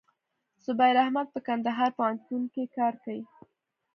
زبير احمد په کندهار پوهنتون کښي کار کيي.